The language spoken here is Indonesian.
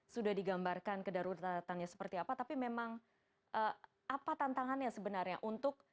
sudah digambarkan kedaruratannya seperti apa tapi memang apa tantangannya sebenarnya untuk